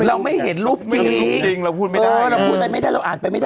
เราไม่เห็นรูปฟีลิงเราพูดไม่ได้เราพูดอะไรไม่ได้เราอ่านไปไม่ได้